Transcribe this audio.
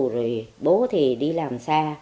rồi bố thì đi làm xa